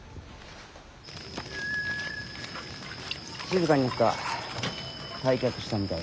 静かになった。